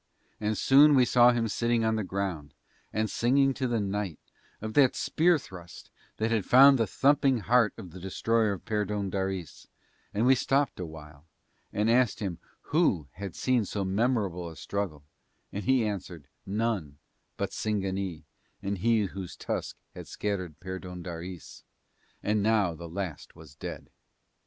And soon we saw him sitting on the ground and singing to the night of that spear thrust that had found the thumping heart of the destroyer of Perdóndaris; and we stopped awhile and asked him who had seen so memorable a struggle and he answered none but Singanee and he whose tusk had scattered Perdóndaris, and now the last was dead.